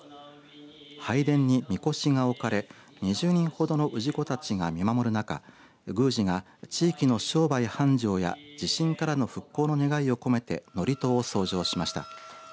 拝殿に、みこしが置かれ２０人ほどの氏子たちが見守る中宮司が地域の商売繁盛や地震からの復興の願いを込めて祝詞を奏上しました。